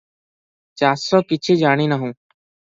ଚାଷ କିଛି ଜାଣି ନାହୁଁ ।